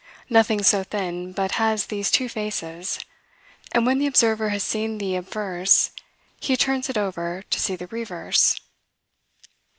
Nothing so thin, but has these two faces; and, when the observer has seen the obverse, he turns it over to see the reverse.